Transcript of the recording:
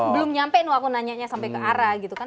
belum nyampe waktu nanyanya sampai ke ara gitu kan